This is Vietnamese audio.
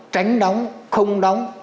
tránh đóng không đóng